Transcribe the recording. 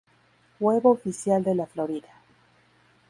Web oficial de La Florida.